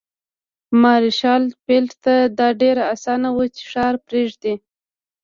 مارشال فيلډ ته دا ډېره اسانه وه چې ښار پرېږدي.